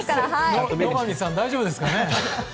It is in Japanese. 野上さん大丈夫ですかね。